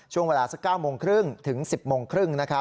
ช่วงเวลาสัก๙โมงครึ่งถึง๑๐โมงครึ่ง